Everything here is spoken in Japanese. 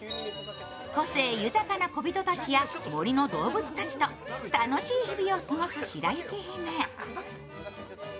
個性豊かなこびとたちや森の動物たちと楽しい日々を過ごす白雪姫。